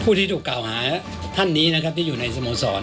ที่ถูกกล่าวหาท่านนี้นะครับที่อยู่ในสโมสร